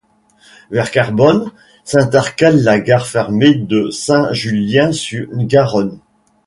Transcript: Vers Carbonne, s'intercale la gare fermée de Saint-Julien-sur-Garonne.